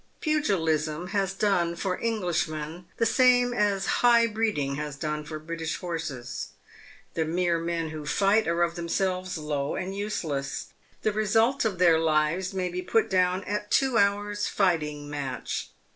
Pugilism has done for Englishmen the same as high breeding has done for British horses. The mere men who fight are of themselves low and useless. The result of their lives may be put down at a two hours' fighting match.